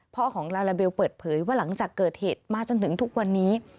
ของลาลาเบลเปิดเผยว่าหลังจากเกิดเหตุมาจนถึงทุกวันนี้